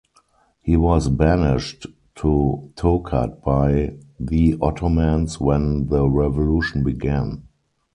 He was banished to Tokat by the Ottomans when the Revolution began.